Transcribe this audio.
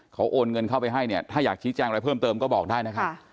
เขาโอนเงินเข้าไปให้เนี่ยถ้าอยากชี้แจ้งอะไรเพิ่มเติมก็บอกได้นะครับ